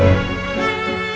aku mau denger